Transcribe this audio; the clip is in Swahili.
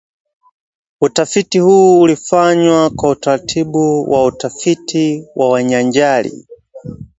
Utafiti huu ulifanywa kwa utaratibu wa utafiti wa nyanjani